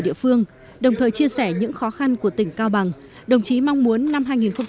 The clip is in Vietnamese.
địa phương đồng thời chia sẻ những khó khăn của tỉnh cao bằng đồng chí mong muốn năm hai nghìn hai mươi